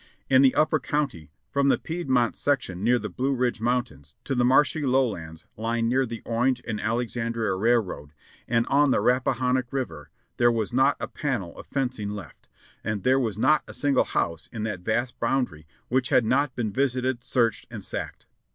In the upper county, from the Piedmont section near the Blue Ridge Mountains to the marshy lowlands lying near the Orange and Alexandria Railroad and on the Rappahannock River, there was not a panel of fencing left, and there was not a single house in that vast boundary which had not been visited, searched and sacked.